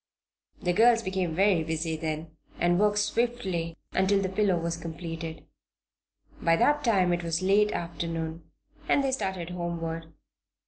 The girls became very busy then and worked swiftly until the pillow was completed. By that time it was late afternoon and they started homeward.